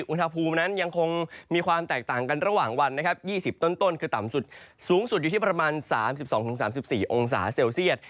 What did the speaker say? อุณหภูมินั้นยังคงมีความแตกต่างกันระหว่างวันนะครับ๒๐ต้นคือต่ำสุดสูงสุดอยู่ที่ประมาณ๓๒๓๔องศาเซลเซียต